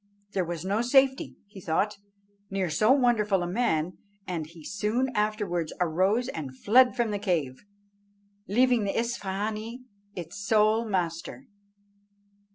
There was no safety, he thought, near so wonderful a man, and he soon afterwards arose and fled from the cave, leaving the Isfahânee its sole master.